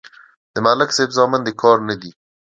د ملک صاحب زامن د کار نه دي.